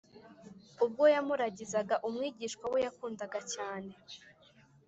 ubwo yamuragizaga umwigishwa we yakundaga cyane